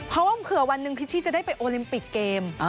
เพราะว่าเผื่อวันหนึ่งพิชชี่จะได้ไปโอลิมปิกเกม